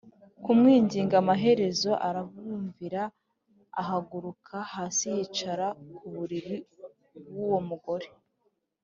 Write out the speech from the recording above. Kumwinginga amaherezo arabumvira ahaguruka hasi yicara ku buriri buwo mugore